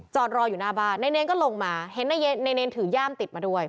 รออยู่หน้าบ้านนายเนรก็ลงมาเห็นนายเนรถือย่ามติดมาด้วย